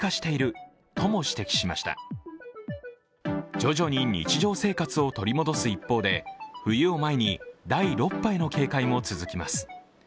徐々に日常生活を取り戻す一方で冬を前に第６波への警戒も続きます。